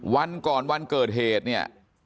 วันก่อนวันเกิดเหตุเนี่ย